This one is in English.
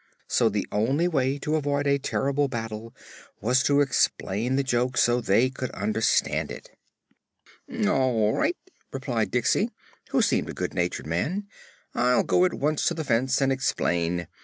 So the only way to avoid a terrible battle was to explain the joke so they could understand it. "All right," replied Diksey, who seemed a good natured man; "I'll go at once to the fence and explain.